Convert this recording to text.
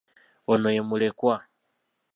Ono ye mulekwa?